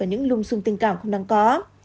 vào những lùm xung tình cảm không đáng có